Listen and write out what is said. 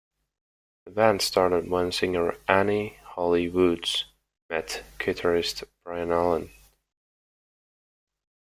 The band started when singer Annie "Holly" Woods met guitarist Brian Allen.